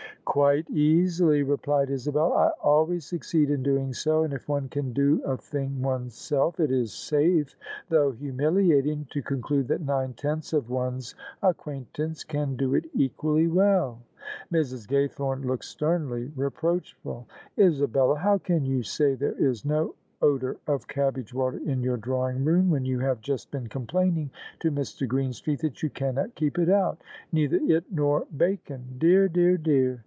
" Quite easily," replied Isabel. " I always succeed in doing so : and if one can do a thing oneself, it is safe — thou^ humiliating — to conclude that nine tenths of one's acquain tance can do it equally well." Mrs. Gaythome looked sternly reproachful. " Isabella, how can you say there is no odour of cabbage water in your drawing room, when you have just been complaining to Mr. Greenstreet that you cannot keep it out — ^neither it nor bacon? Dear, dear, dear!